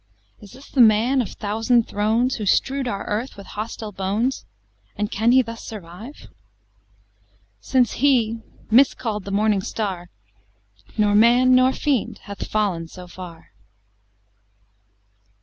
Is this the man of thousand thrones, Who strew'd our earth with hostile bones, And can he thus survive? Since he, miscall'd the Morning Star, Nor man nor fiend hath fallen so far.